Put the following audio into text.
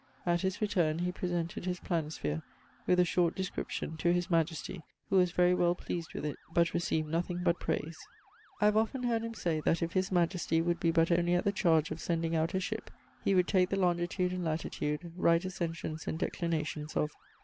At his returne, he presented his Planisphere, with a short description, to his majesty who was very well pleased with it; but received nothing but prayse. I have often heard him say that if his majestie would be but only at the chardge of sending out a ship, he would take the longitude and latitude, right ascensions and declinations of